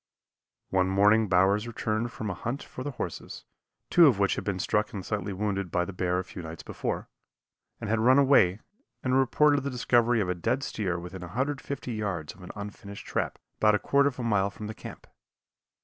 One morning Bowers returned from a hunt for the horses, two of which had been struck and slightly wounded by the bear a few nights before, and had run away, and reported the discovery of a dead steer within 150 yards of an unfinished trap, about a quarter of a mile from camp.